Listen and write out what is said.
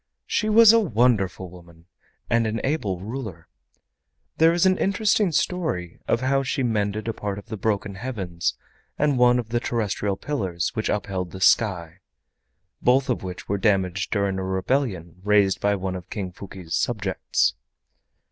She was a wonderful woman, and an able ruler. There is an interesting story of how she mended a part of the broken heavens and one of the terrestrial pillars which upheld the sky, both of which were damaged during a rebellion raised by one of King Fuki's subjects.